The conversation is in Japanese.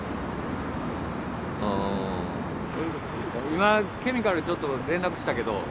今ケミカルちょっと連絡したけど。